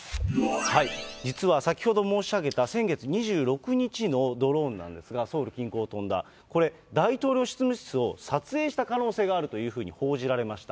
実は先ほど申し上げた先月２６日のドローンなんですが、ソウル近郊を飛んだ、これ、大統領執務室を撮影した可能性があるというふうに報じられました。